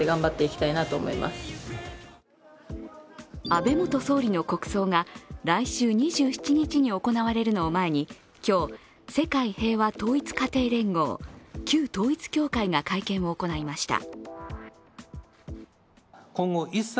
安倍元総理の国葬が来週２７日に行われるのを前に、今日、世界平和統一家庭連合、旧統一教会が会見を行いました。